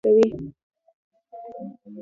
ازادي راډیو د د کار بازار ستر اهميت تشریح کړی.